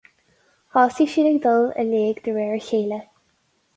Thosaigh siad ag dul i léig de réir a chéile.